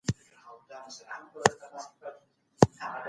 ملا عبدالباقي کاکړ فيض الله